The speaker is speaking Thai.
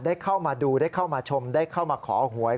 ได้เข้ามาดูได้เข้ามาชมได้เข้ามาขอหวย